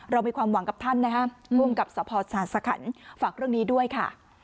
เรามีความหวังกับท่านนะคะร่วมกับสรรพสาธารณ์สระขันภักดิ์เรื่องนี้ด้วยค่ะ